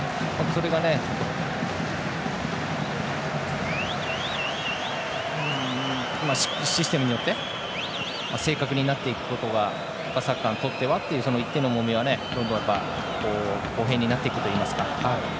それがシステムによって正確になっていくことがサッカーにとって、１点の重みがどんどん公平になっていくといいますか。